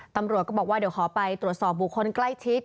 ตำรวจก็บอกว่าเดี๋ยวขอไปตรวจสอบบุคคลใกล้ชิด